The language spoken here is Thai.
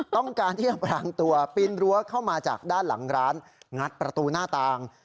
ต้องการที่จะพรางตัวปีนรั้วเข้ามาจากด้านหลังร้านงัดประตูหน้าต่าง